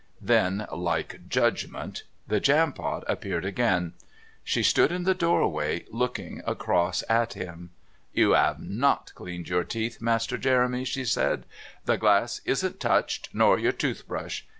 Then, like Judgment, the Jampot appeared again. She stood in the doorway, looking across at him. "You 'ave not cleaned your teeth, Master Jeremy," she said. "The glass isn't touched, nor your toothbrush...